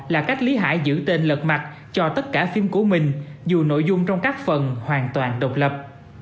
là cách lý hải giữ tên lật mặt cho tất cả phim của mình dù nội dung trong các phần hoàn toàn độc lập